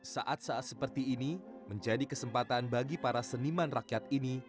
saat saat seperti ini menjadi kesempatan bagi para seniman rakyat ini